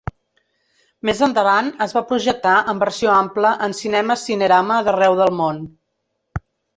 Més endavant es va projectar en versió ampla en cinemes Cinerama d'arreu del món.